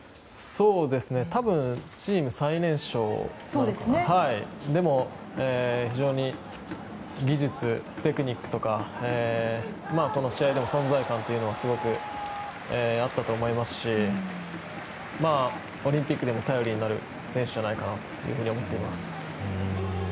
多分、チーム最年少でも、非常に技術テクニックとかこの試合でも存在感がすごくあったと思いますしオリンピックでも頼りになる選手じゃないかと思っています。